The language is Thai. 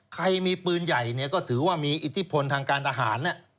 ใครมีปืนใหญ่ก็ถือว่ามีอิทธิพลทางการทหาร